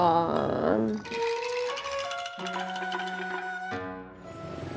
memangnya besok aja